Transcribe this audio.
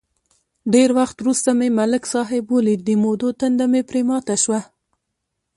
ډېر وخت ورسته مې ملک صاحب ولید، د مودو تنده مې پرې ماته شوه.